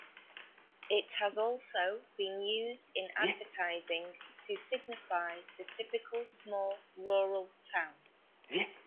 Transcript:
It has also been used in advertising to signify the typical small rural town.